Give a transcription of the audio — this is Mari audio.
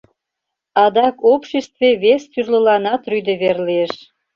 Адак обществе вес тӱрлыланат рӱдӧ вер лиеш.